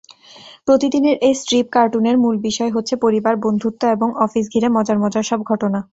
প্রতিদিনের এই স্ট্রিপ কার্টুনের মূল বিষয় হচ্ছে পরিবার, বন্ধুত্ব এবং অফিস ঘিরে মজার মজার সব ঘটনা।